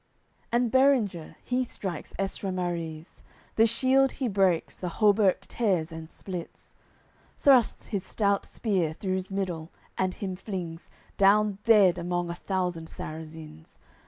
CII And Berenger, he strikes Estramariz, The shield he breaks, the hauberk tears and splits, Thrusts his stout spear through's middle, and him flings Down dead among a thousand Sarrazins.